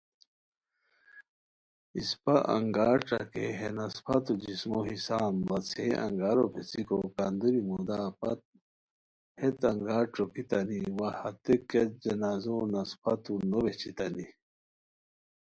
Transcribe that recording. اِسپہ انگار ݯاکئیے ہے نس پھت جسمو حصان بڑاڅھئے انگارو پیڅھیکو کندوری مُودا پت ہیت انگار ݯوکیتانی وا ہتئے کیہ جنازو نس پھتو نو بیھچیتانی